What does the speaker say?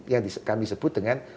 yang kami sebut dengan